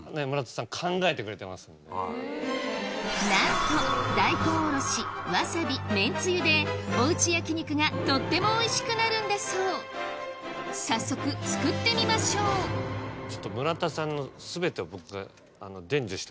なんと大根おろしわさびめんつゆでおうち焼き肉がとってもおいしくなるんだそう早速作ってみましょういやいやいやいや！